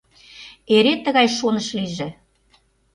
Эре тыгае шоныш лийже